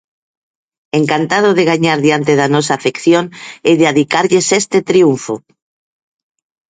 Encantado de gañar diante da nosa afección e de adicarlles este triunfo.